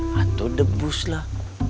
hantu debus lah